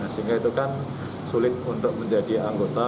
sehingga itu kan sulit untuk menjadi anggota